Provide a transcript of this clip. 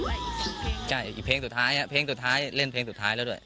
ใกล้จะเลือกอีกสองเพลงอ่ะใช่อีกเพลงสุดท้ายอ่ะเพลงสุดท้ายเล่นเพลงสุดท้ายแล้วด้วย